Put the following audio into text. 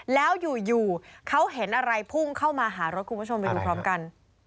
แล้วอยู่เขาเห็นอะไรพุ่งเข้ามาหารถคุณผู้ชมไปดูพร้อมกัน